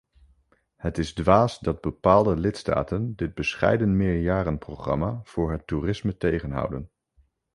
Het is dwaas dat bepaalde lidstaten dit bescheiden meerjarenprogramma voor het toerisme tegenhouden.